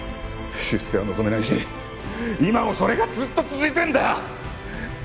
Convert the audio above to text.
出世は望めないし今もそれがずっと続いてるんだよ！